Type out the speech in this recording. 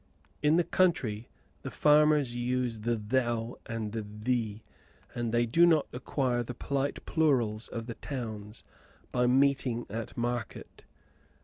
In the country the farmers use the thou and thee; and they do not acquire the polite plurals of the towns by meeting at market.